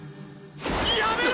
やめろ！！